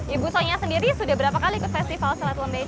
ibu soalnya sendiri sudah berapa kali ikut festival asal atlambe ini